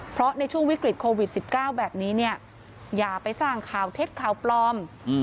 เพราะในช่วงวิกฤตโควิด๑๙แบบนี้เนี่ยอย่าไปสร้างข่าวเท็จข่าวปลอม